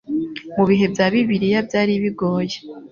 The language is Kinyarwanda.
Mu bihe bya Bibiliya byaribigoye